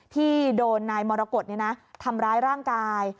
ที่โดนนายมรกฏทำร้ายร่างกาย